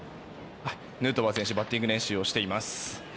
ヌートバー選手がバッティング練習をしています。